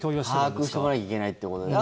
把握しとかなきゃいけないってことだよね。